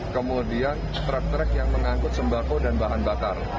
kemudian truk truk yang mengangkut sembako dan bahan bakar